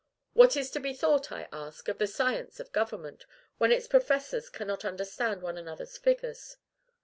What is to be thought, I ask, of the science of government, when its professors cannot understand one another's figures?